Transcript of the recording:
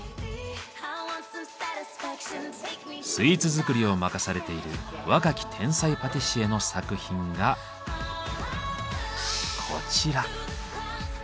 スイーツ作りを任されている若き天才パティシエの作品がこちら。